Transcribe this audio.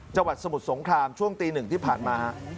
จังหวัดสมุทรสงครามช่วงตี๑ที่ผ่านมา